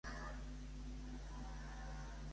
Però, com ho modifica Jofré?